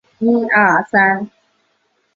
照影片发布更新顺序